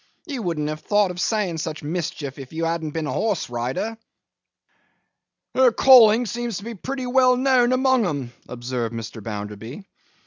You wouldn't have thought of saying such mischief if you hadn't been a horse rider?' 'Her calling seems to be pretty well known among 'em,' observed Mr. Bounderby.